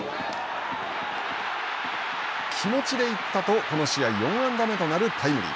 気持ちで行ったとこの試合４安打目となるタイムリー。